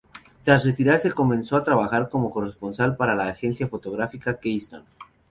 Tras retirarse comenzó a trabajar como corresponsal para la agencia fotográfica Keystone.